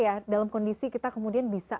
ya dalam kondisi kita kemudian bisa